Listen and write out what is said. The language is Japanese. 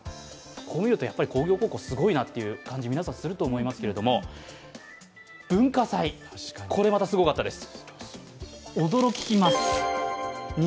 こう見ると、工業高校すごいなという感じが皆さんすると思いますが、文化祭もまたすごかったです。